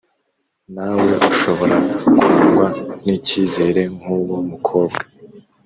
Nawe ushobora kurangwa n’ icyizere nk’ uwo mukobwa